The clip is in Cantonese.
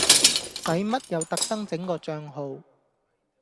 使乜又特登整個帳號